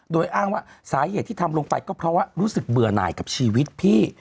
โดยอ้างว่าสาเหตุที่ทำลงไปก็เพราะว่ารู้สึกเบื่อหน่ายกับชีวิตพี่